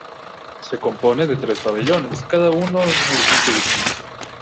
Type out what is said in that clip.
Se compone de tres pabellones, cada uno en un edificio distinto.